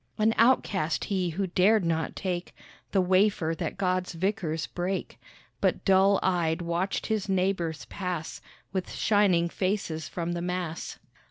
An outcast he who dared not take The wafer that God's vicars break, But dull eyed watched his neighbours pass With shining faces from the Mass.